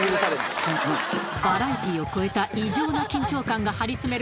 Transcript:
バラエティを超えた異常な緊張感が張り詰める